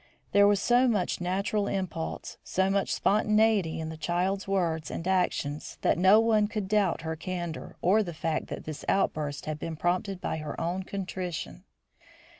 There was so much natural impulse, so much spontaneity in the child's words and actions, that no one could doubt her candour or the fact that this outburst had been prompted by her own contrition.